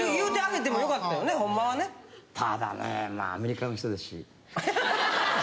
あアメリカの人だし。